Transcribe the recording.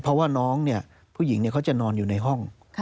เพราะว่าน้องเนี่ยผู้หญิงเขาจะนอนอยู่ในห้อง